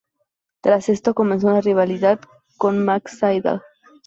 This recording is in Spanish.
Tras esto, comenzó una rivalidad con Matt Sydal.